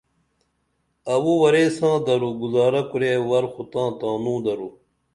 اوو ورے ساں درو گُزارہ کُرے ور خُو تاں تانو درو